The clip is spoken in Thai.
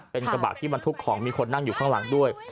เป็นกระบะที่บรรทุกของมีคนนั่งอยู่ข้างหลังด้วย